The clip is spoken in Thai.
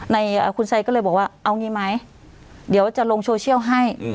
ในคุณไซดก็เลยบอกว่าเอางี้ไหมเดี๋ยวจะลงโซเชียลให้